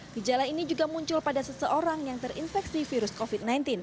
gejala ini juga muncul pada seseorang yang terinfeksi